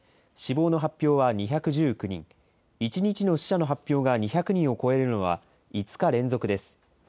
死亡の発表は２１９人、１日の死者の発表が２００人を超えるのは５日連続です。